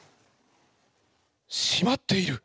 しまっている！